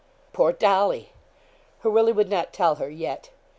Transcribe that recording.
Poor Dolly! Her Willie would not tell her yet.